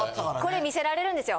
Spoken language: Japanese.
これ見せられるんですよ。